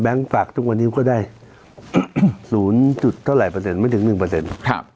แบงก์ฝากทุกวันนี้ก็ได้๐จุดเท่าไหร่เปอร์เซ็นต์ไม่ถึง๑เปอร์เซ็นต์